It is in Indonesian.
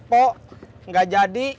pok enggak jadi